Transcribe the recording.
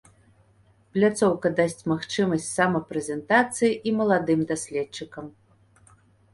Пляцоўка дасць магчымасць самапрэзентацыі і маладым даследчыкам.